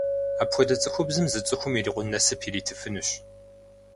Апхуэдэ цӏыхубзым зы цӏыхум ирикъун насып иритыфынущ.